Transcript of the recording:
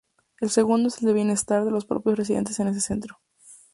El segundo es el del bienestar de los propios residentes en ese centro.